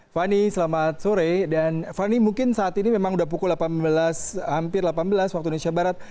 fani selamat sore dan fani mungkin saat ini memang sudah pukul delapan belas hampir delapan belas waktu indonesia barat